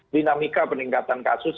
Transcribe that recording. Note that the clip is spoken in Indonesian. dinamika peningkatan kasus